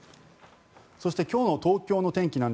そして今日の東京の天気